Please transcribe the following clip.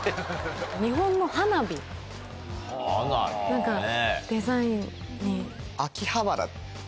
何かデザインに。